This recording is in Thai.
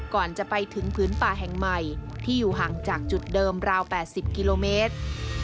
ก่อนจะไปถึงพื้นป่าแห่งใหม่ที่อยู่ห่างจากจุดเดิมราว๘๐กิโลเมตร